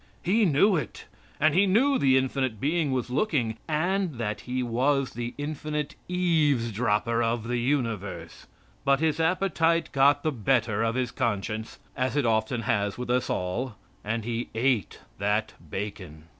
He knew it, and He knew the Infinite Being was looking, and that he was the Infinite Eaves dropper of the universe. But his appetite got the better of his conscience, as it often has with us all, and he ate that bacon.